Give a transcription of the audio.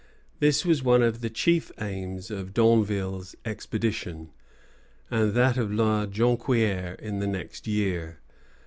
This was one of the chief aims of D'Anville's expedition, and of that of La Jonquière in the next year.